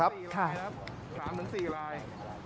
ครับสี่ลายครับสามถึงสี่ลาย